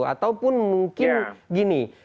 ataupun mungkin gini